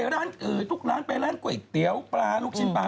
ทุกร้านไปร้านก๋วยเตี๋ยวปลาลูกชิ้นปลา